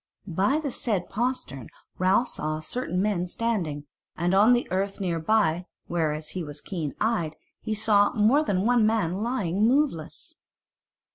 By the said postern Ralph saw certain men standing; and on the earth near by, whereas he was keen eyed, he saw more than one man lying moveless.